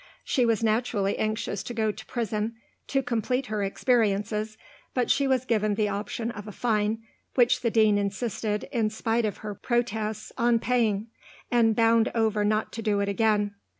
She was naturally anxious to go to prison, to complete her experiences, but she was given the option of a fine (which the Dean insisted, in spite of her protests, on paying), and bound over not to do it again.